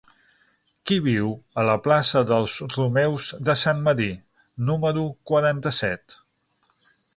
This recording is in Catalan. Qui viu a la plaça dels Romeus de Sant Medir número quaranta-set?